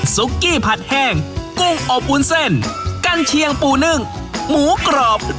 ซุกกี้ผัดแห้งกุ้งอบวุ้นเส้นกัญเชียงปูนึ่งหมูกรอบ